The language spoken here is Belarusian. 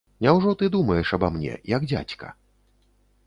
Няўжо ты думаеш аба мне, як дзядзька?